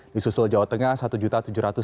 di susul jawa tengah satu juta tujuh ratus